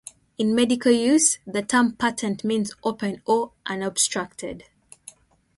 In medical use, the term "patent" means open or unobstructed.